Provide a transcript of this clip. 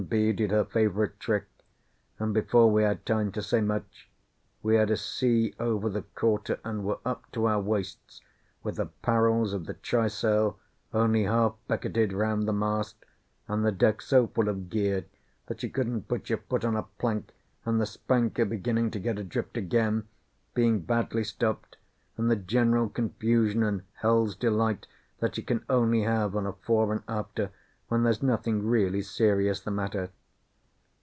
_ did her favourite trick, and before we had time to say much, we had a sea over the quarter and were up to our waists, with the parrels of the trysail only half becketed round the mast, and the deck so full of gear that you couldn't put your foot on a plank, and the spanker beginning to get adrift again, being badly stopped, and the general confusion and hell's delight that you can only have on a fore and after when there's nothing really serious the matter.